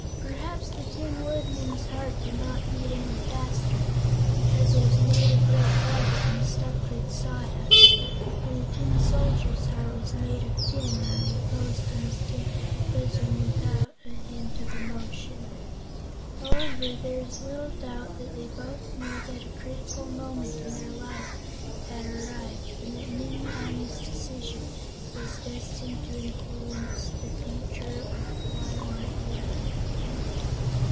Perhaps the Tin Woodman's heart did not beat any faster, because it was made of red velvet and stuffed with sawdust, and the Tin Soldier's heart was made of tin and reposed in his tin bosom without a hint of emotion. However, there is little doubt that they both knew that a critical moment in their lives had arrived, and that Nimmie Amee's decision was destined to influence the future of one or the other.